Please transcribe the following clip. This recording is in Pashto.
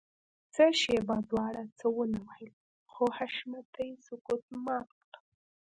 څه شېبه دواړو څه ونه ويل خو حشمتي سکوت مات کړ.